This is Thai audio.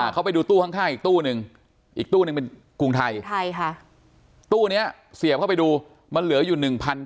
เขาไปดูตู้ข้างอีกตู้นึงอีกตู้นึงเป็นกรุงไทยค่ะตู้นี้เสียบเข้าไปดูมันเหลืออยู่๑๘๐๐